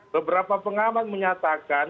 beberapa pengaman menyatakan